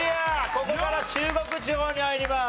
ここから中国地方に入ります。